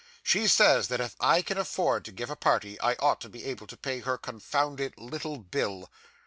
'She says that if I can afford to give a party I ought to be able to pay her confounded "little bill."